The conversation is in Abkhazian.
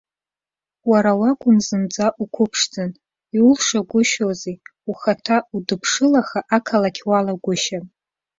Уара уакәын зынӡа уқәыԥшӡан, иулшагәышьози, ухаҭа удыԥшылаха ақалақь уалагәышьан.